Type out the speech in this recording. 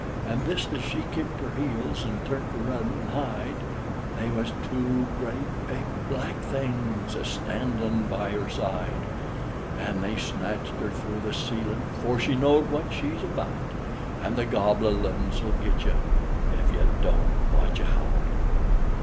An' thist as she kicked her heels, an' turn't to run an' hide, They was two great big black Things a standin' by her side, An' they snatched her through the ceilin' 'fore she knowed what she's about! An' the Gobble uns'll git you Ef you Don't Watch Out!